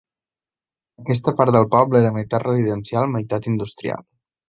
Aquesta part del poble era meitat residencial, meitat industrial.